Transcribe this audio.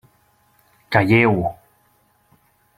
Calleu!